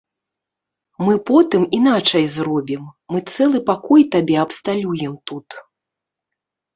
Мы потым іначай зробім, мы цэлы пакой табе абсталюем тут.